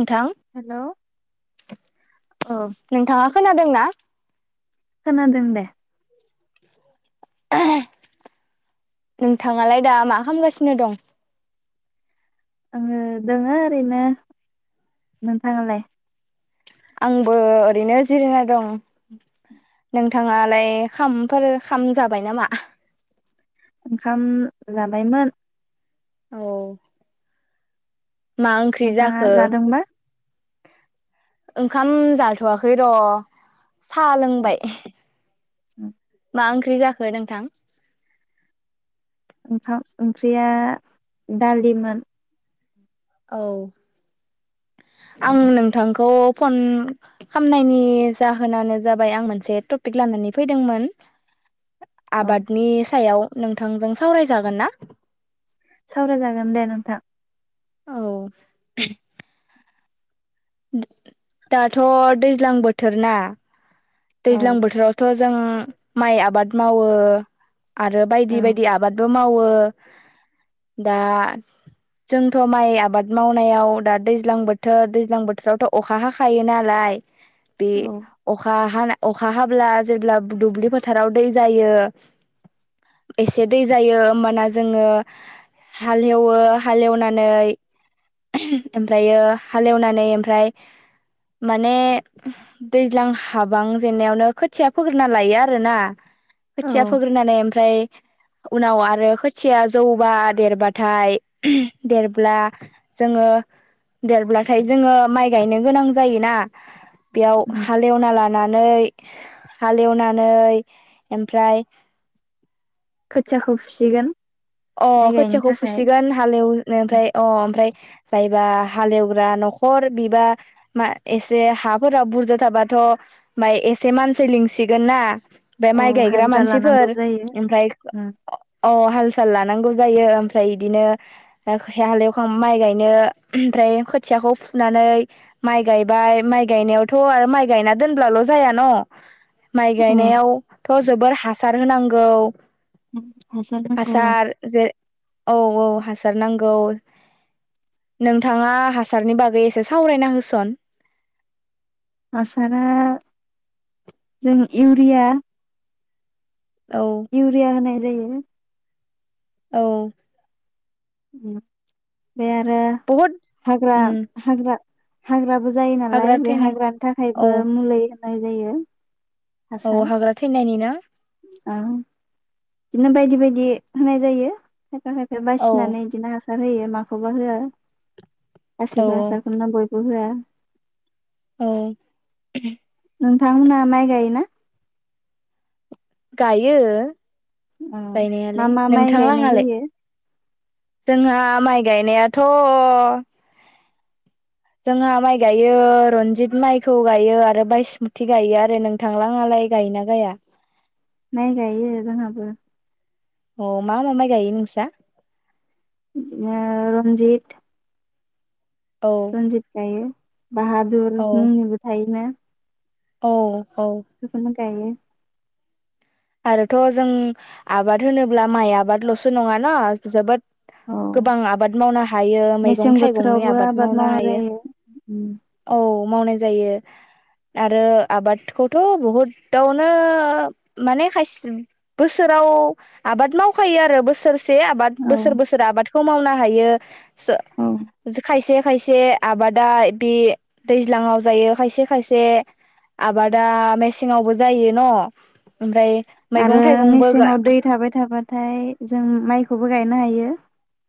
नोंथां हेलौ औ नोंथाङा। खोनादोंना? खोनादों दे। [unintelligible] नोंथाङालाय दा मा खालामगासिनो दं? आङो दङो ओरैनो नोंथाङालाय? आंबो ओरैनो जिरायना दं नोंथाङालाय खामफोर खाम जाबाय नामा? ओंखाम जाबायमोन। औ। मा ओंख्रि नोंथाङा जाखो? जादोंबा ओंखाम जाथ'वाखै र' साहा लोंबाय। औ। मा ओंख्रि जाखो नोंथां? ओंखाम ओंख्रिया दालिमोन औ आं नोंथांखौ फन खालामनायनि जाहोनानो जाबाय आं मोनसे टपिक लानानै फैदोंमोन। औ आबादनि सायाव नोंथांजों सावरायजागोन ना? सावराय जागोन दे नोंथां। औ दाथ' दैज्लां बोथोर ना औ दैज्लां बोथोराव थ' जों माइ आबाद मावो आरो औ बायदि बायदि आबादबो मावो दा जोंथ' माइ आबाद मावनायाव दा दैज्लां बोथोर दैज्लां बोथोरावथ' अखा हाखायो नालाय बे अखा हाना अखा हाब्ला जेब्ला दुब्लि फोथाराव दै जायो एसे दै जायो होमबाना जोङो हालेवो हालेवनानै ओमफ्रायो हालेवनानै ओमफ्राय माने दैज्लां हाबां जेननायावनो खोथिया फोग्रोना लायो आरोना खोथिया औ फोग्रोनानै ओमफ्राय उनाव आरो खोथिया जौबा देरबाथाय देरब्ला जोङो देरब्लाथाय जोङो माइ गायनो गोनां जायोना बेयाव उम हालेवना ला नै हालेवनानै ओमफ्राय खोथियाखौ फुसिगोन अ माइ गायनो खोथियाखौ थाखाय फुसिगोन हालेवनो ओमफ्राय अ ओमफ्राय जायबा हालेवग्रा न'खर बिबा मा एसे हाफोरा बुरजा थाबाथ' माइ एसे मानसै लिंसिगोन ना बे औ माइ गायग्रा हाजिरा लानांगौ मानसिफोर जायो ओमफ्राय अ हाल लानांगौ जायो ओमफ्राय इदिनो खो हालेवखां माइ गायनो ओमफ्राय खोथियाखौ फुनानै माइ गायबाय माइ गायनायावथ' आरो माइ गायना दोनब्लाल' जाया न' माइ उम गायनायावथ' जोबोर हासार होनांगौ उम हासार जे औ औ हासार नांगौ नोंथाङा हासारनि बागै एसे सावरायना होसन हासारा जों इउरिया औ इउरिया होनाय जायो औ उम बे आरो बहुद हाग्रा उम हाग्रा हाग्राबो जायो नालाय हाग्रा बे थैनाय हाग्रानि औ थाखायबो मुलै नाय जायो औ हाग्रा थैनायनि ना ओं बिदिनो बायदि बायदि होनाय जायो। खायफा खायफा औ बासिनानै बिदिनो हास सार होयो माखौबा होआ औ गासिबो हासारखौनो बयबो होया औ नोंथांमोनहा माइ गायोना? गायो उम मा गायनायालाय मा माइ नोंथां गायनाय लाङालाय जायो? जोंहा माइ गायनायाथ' जोंहा माइ गायो रन्जित माइखौ गायो आरो बायसमुथि गायो आरो। नों थांलाङालाय गायोना गाया? माइ गायो जोंहाबो। अ मा मा गाइ गायो नोंसा? बिदिनो रन्जित औ रजित गायो। बाहादुर औ मुंनिबो थायोना। औ औ [unintelligible] गाययो आरोथ' जों आबाद होनोब्ला माइ आबादल'सो नङा ना जोबोद औ गोबां आबाद मावनो हायो मैगं मेसें थाइगंनि बोथोरावबो आबाद मावनो मावनाय हायो। जायो उम औ मावनाय जायो आरो आबादखौथ' बहुदावनो माने खायसे बोसोराव आबाद मावखायो आरो बोसोर से आबाद औ बोसोर बोसोर आबाद खौ मावनो हायो औ ज खायसे खायसे आबादा बे दैज्लाङाव जायो खायसे खायसे आबादा मेसेङावबो जायो न' ओमफ्राय मैगं आरो थाइगंबो मेसेंयाव दै थाबाय थाबाथाय जों माइ खौबो गायनो हायो।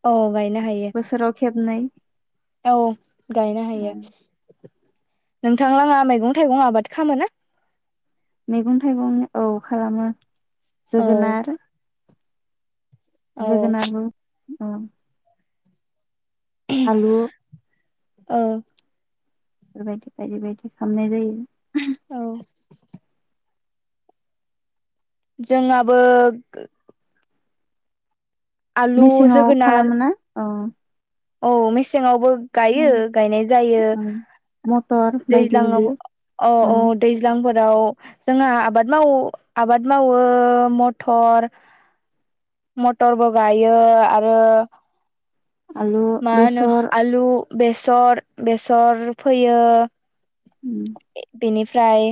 औ गायनो बोसोराव खेबनै हायो औ गायनो हायो। नोंथांलाङा मैगं थाइगं आबाद खालामो ना मैगं थाइगं औ खालामो औ जोगोनार औ जोगोनारबो औ आलु औ बेफोरबायदि बायदि बायदि खालामनाय जायो औ जोंहाबो आलु मेसेङाव जोगोनार खालामो ना औ औ मेसेङावबो गायो गायनाय जायो ओं मटर बायदि बायदि दैज्लाङाव औ औ ओं दैज्लांफोराव जोंहा आबाद मावो आबाद मावो मटर मटरबो गायो आरो आलु मा होनो बेसर आलु बेसर बेसर फोयो बेनिफ्रायाय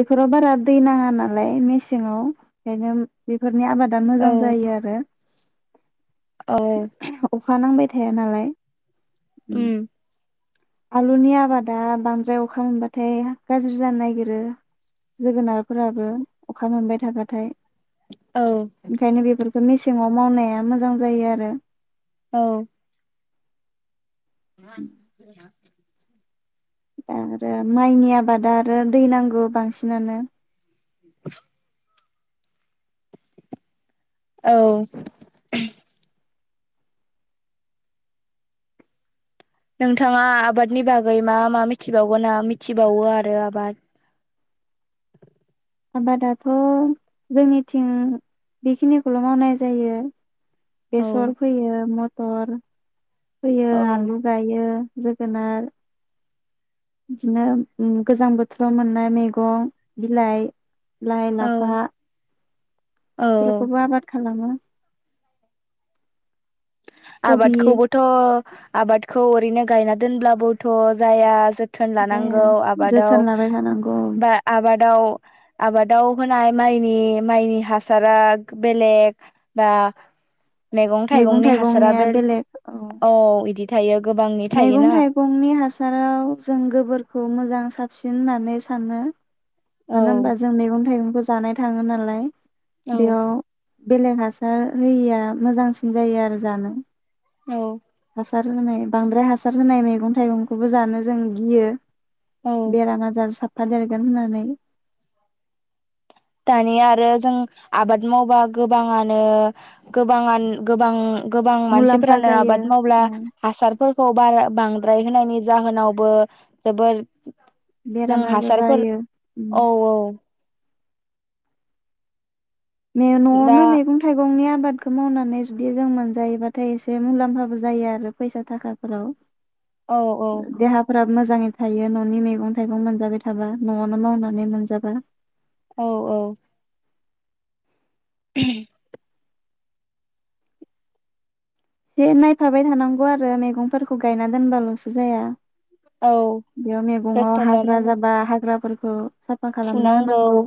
बेफोराव बारा दै नाङा नालाय मेसेङाव ओंखायनो बेफोर नि आबादा औ मोजां जायो आरो औ अखा नांबाय थाया नालाय उम आलुनि आबादा बांद्राय अखा मोनबाथाय गाज्रि जानो नागिरो जोगोनारफोराबो अखा मोनबाय थाबाथाय औ ओंखायनो बेफोरखौ मेसेङाव मावनाया मोजां जायो आरो औ [unintelligible] दा आरो माइनि आबादा आरो दै नांगौ बांसिनानो [inaudible] औ नोंथाङा आबादनि बागै मा मा मिथिबावगोन ना मिथिबावो आरो आबाद आबादाथ' जोंनिथिं बेखिनिखौल' मावनाय जायो औ बेसरखौ फोयो म टर फोयो औ आलु गायो जोगोनार बिदिनो गोजां उम बोथोराव मोननाय मैगं बिलाइ लाइ औ लाफा औ औ बेफोरखौबो आबाद खालामो। कबि आबादखौबोथ' आबादखौ ओरैनो गायना दोनब्लाबोथ' जाया जो थोन जाया लानांगौ आबादाव जोथोन लाबाय थानांगौ बा आबाद दाव आबादाव होनाय माइनि माइनि हासारा बेलेग बा मेगं मैगं थाइगंनि हासारा थाइगंनिया बेल बेलेग औ। बिदि थायो। गोबांनि मैगं थायोना थाइगंनि हासाराव जों गोबोर खिखौ मोजां साबसिन होननानै सानो। औ मानो होमबा जों मैगं-थाइगंखौ जानाय थाङो नालाय। औ बेयाव बेलेग हासार होयिया मोजांसिन जायो आरो जानो। औ। हासार होनाय बांद्राय हासार होनाय मैगं-थाइगंखौबो जानो जों गियो। औ बेराम आजार साब जाफादेरगोन होननानै दानिया आरो जों आबाद मावबा गोबाङानो गोबां गोबां गोबां मुलाम्फा मानसिफोरानो जायो आबाद मावब्ला औ हासारफोर फावदारा बांद्राय होनायनि जाहोनावबो जोबोर जों बेराम आजार हासारफोर जायो उम औ औ। दा न'वावनो मैगं-थाइगंनिया आबादखौ मावनानै जुदि जों मोनजायोबाथाय एसे मुलाम्फाबो जायो आरो फैसा थाखाफोराव औ औ देहाफोरा मो मोजाङै थायो न'नि मैगं-थाइगं मोनजाबाय थाबा न'वावनो मावनानै मोनजाबा। औ औ। [inaudible] एसे नायफाबाय थानांगौ आरो मैगंफोरखौ गायना दोनबाल'सो जाया। औ बेयाव मैगङाव जोथोन हाग्रा लानांगौ जाबा हाग्राफोर उम। साफा खालामना फुनांगौ होनांगौ।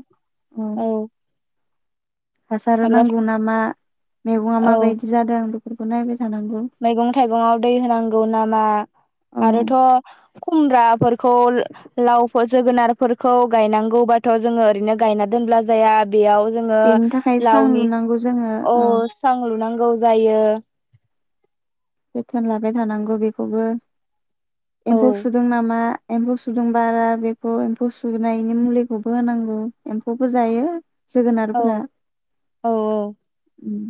औ हासार हाग्रा नांगौ नामा मैगङा माबादि जादों। बेफोरखौ नायबाय थानांगौ मैगं-थाइगङाव दै होनांगौ नामा औ आरोथ' खुमब्राफोरखौ लाव जोगोनारफोरखौ गायनांगौबाथ' जोङो ओरैनो गायना दोनब्ला जाया। बेयाव जोहो बेनि थाखाय सां लावनि लुनांगौ जोङो औ सां लुनां गौ जायो। जोथोन लाबाय थानांगौ बेखौबो औ एम्फौ सुदों नामा? एम्फौ सुदों बा आर बेखौ एम्फौ सुनायनि मुलिखौबो होनांगौ एम्फौबो जायो। औ जोगोनारफोरा औ उम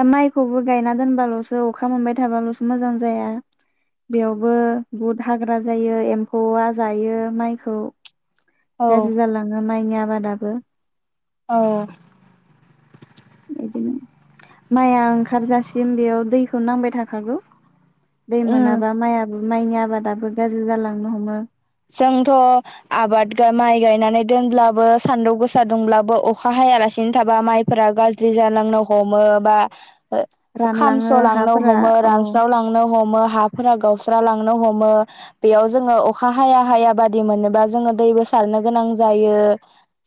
दा माइखौबो गायना दोनबाल'सो अखा मोनबाय थाबाल'सो मोजां जाया बेयावबो बुहुत हाग्रा जायो एम्फौआ जायो माइखौ औ गाज्रि जालाङो माइया आबादाबो औ बिदिनो माइया ओंखारजासिम बेयाव दैखौ नांबाय थाखागौ। दै उम मोनाबा माइयाबो माइनि आबादाबो गाज्रि जालांनो हमो। जोंथ' आबाद माइ गायनानै दोनब्लाबो सान्दुं गोसा दुंब्लाबो अखा हायालासिनो थाबा माइफोरा गाज्रि जालांनो हमो बा रानलाङो खामस' लांनो हाफोरा हमो अ रानस्राव लांनो हमो हाफोरा गावस्रा लांनो हमो बेयाव जोङो अ खा हाया हाया बादि मोनोबा जोङो दैबो सारनो गोनां जायो।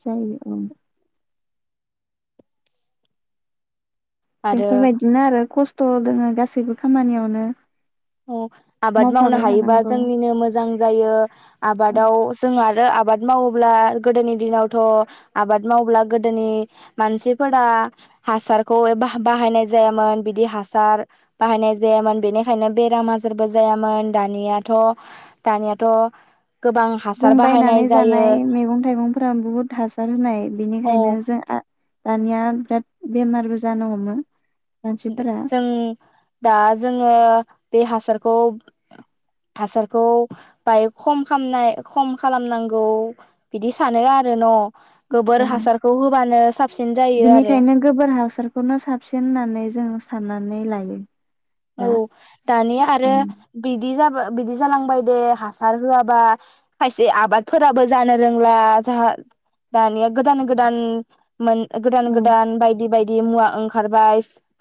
जायो ओं आरो बेफोरबायदिनो आरो खस थ' दङो गासैबो खामानियावनो औ आबाद मावनो मावफाबाय हायोबा थानांगौ जोंनिनो मोजां जायो। औ आबादाव जों आरो आ बाद मावोब्ला गोदोनि दिनावथ' आबाद मावोब्ला गोदोनि मानसिफोरा हासारखौ बाहायनाय जायामोन बिदि हासार बाहायनाय जायामोन बेनिखायनो बेराम आजारबो जायामोन दानियाथ' दानियाथ' गोबां जों हासार बाहायनाय बायनानै जायो जानाय मैगं थाइगंफोरा बुहुद हासार होनाय औ बेनिखायनो जों दानिया बिराद बेमारबो जानो हमो। मानसिफोरा जों दा जोङो बे हासारखौ हासारखौ बाहाय खम खामनाय खम खालामनांगौ बिदि सानो आरो न' गोबोर उम हासारखौ होबानो साबसिन जायो आरो बिनिखायनो गोबोर हासारखौनो साबसिन होननानै जों साननानै लायो। औ दा दानि आरो बिदि जा बा बिदि जानांबाय दे हासार होआबा खायसे आबादफोराबो जानो रोंला जाहा दानिया गोदान गोदान मोन गोदान - औ गोदान बायदि बाय दि मुवा ओंखार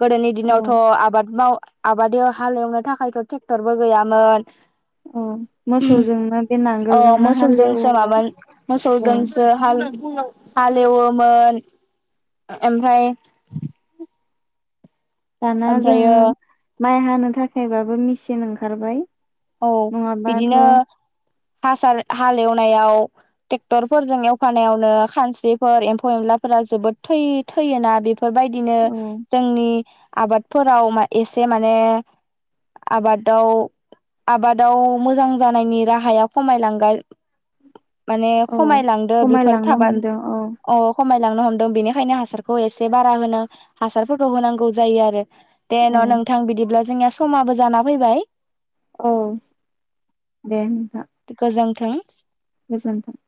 गोदोनि औ दिनावथ' आबाद माव आबादाव' हालेवनो थाखायथ' ट्रेक्टरबो गैयामोन औ । उम मोसौजोंनो बे अ नांगोलजोंनो मोसौजोंसो हालेवोमोन माबा औ मोसौजोंसो हाल हालेवोमोन ओमफ्राय दाना जोंङो ओमफ्रायो माइ हानो थाखायबाबो मिचिन ओंखारबाय । औ बिदिनो हासार हालेवनायाव ट्रेक्टरफोरजों एवफानायावनो खानस्रिफोर एम्फौ एनलाफोरा जोबोद थै थैयोना बे फोरबायदिनो औ जोंनि आबादफोराव एसे माने आबादाव आबादाव मोजां जानायनि राहाया खमायलांगोन । माने औ खमायलांदों बेफोर खमायलांनो थाबा हमदों औ अ खमाय लांनो हमदों बेनिखायनो हासारखौ एसे बारा होनो हासारफोरखौ होनांगौ जायो आरो दे औ न' नोंथां बिदिब्ला जोंनिया समाबो जाना फैबाय औ दे नोंथां थों गोजोनथों